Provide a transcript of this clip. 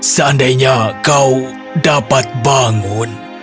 seandainya kau dapat bangun